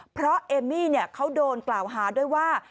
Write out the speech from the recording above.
เพราะเอมมี่เขาโดนกล่าวหาด้วยว่า